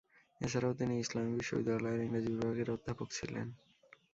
এছাড়াও তিনি ইসলামী বিশ্ববিদ্যালয়ের ইংরেজি বিভাগের অধ্যাপক ছিলেন।